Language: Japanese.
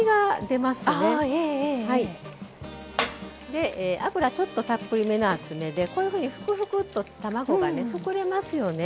で油ちょっとたっぷりめのあつめでこういうふうにふくふくっと卵がね膨れますよね。